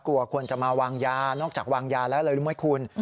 กลัวควรจะมาวางยานอกจากวางยาแล้วเลยรึไม่คุณ